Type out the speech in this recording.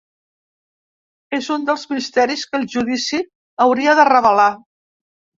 És un dels misteris que el judici hauria de revelar.